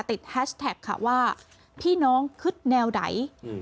ติดแฮชแทกค่ะว่าพี่น้องคึดแนวไดอืม